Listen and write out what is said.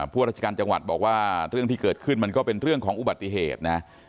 พวกราชการจังหวัดบอกว่าเรื่องที่เกิดขึ้นมันก็เป็นเรื่องของอุบัติเหตุนะ